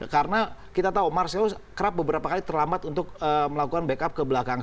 karena kita tahu marcelo kerap beberapa kali terlambat untuk melakukan backup ke belakang